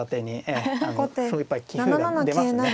あのそこはやっぱり棋風が出ますね。